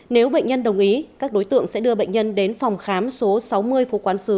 nếu bệnh nhân đồng ý các đối tượng sẽ đưa bệnh nhân đến phòng khám số sáu mươi phố quán sứ